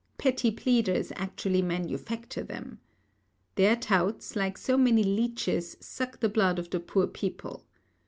Petty pleaders actually manufacture them. Their touts, like so many leeches, suck the blood of the poor people.